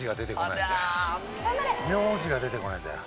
名字が出てこないんだよ。